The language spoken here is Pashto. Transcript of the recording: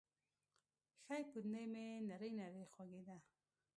ښۍ پونده مې نرۍ نرۍ خوږېده.